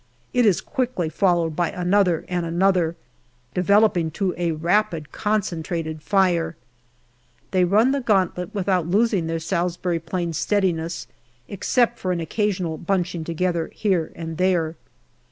It is quickly followed by another and another, developing to a rapid concentrated fire. They run the gauntlet without losing their Salisbury Plain steadiness, except for an occasional bunching to AUGUST 207 gether here and there.